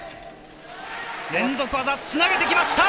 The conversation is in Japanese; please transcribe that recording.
連続技をつなげてきました！